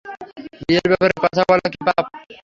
বিয়ের ব্যাপারে কথা বলা কি পাপ?